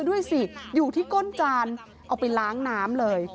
ด้วยสิอยู่ที่ก้นจานเอาไปล้างน้ำเลย